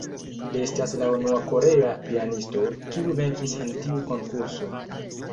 Li estas la unua korea pianisto, kiu venkis en tiu Konkurso.